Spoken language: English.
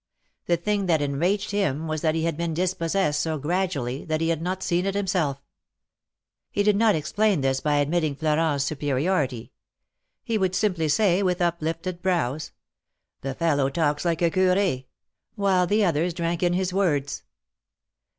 The thing that enraged him was that he had been dispossessed so gradually that he had not seen it himself. He did not 260 THE MAKKSTS OF PARIS. explain this by admitting Florent's superiority. He would simply say with uplifted brows : The fellow talks like a cur4/' while the others drank in his words.